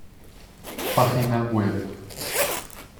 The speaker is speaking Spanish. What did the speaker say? Página web